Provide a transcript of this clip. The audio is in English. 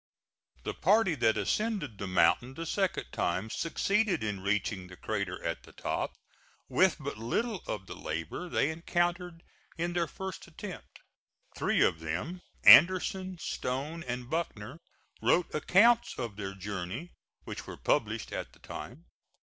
The party that ascended the mountain the second time succeeded in reaching the crater at the top, with but little of the labor they encountered in their first attempt. Three of them Anderson, Stone and Buckner wrote accounts of their journey, which were published at the time.